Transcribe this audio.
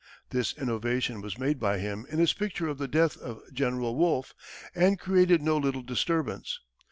This innovation was made by him in his picture of the death of General Wolfe, and created no little disturbance.